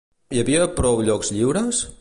Hi havia prou llocs lliures?